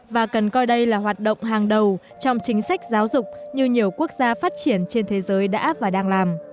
và cần coi đây là hoạt động hàng đầu trong chính sách giáo dục như nhiều quốc gia phát triển trên thế giới đã và đang làm